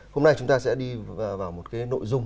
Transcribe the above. hôm nay chúng ta sẽ đi vào một cái nội dung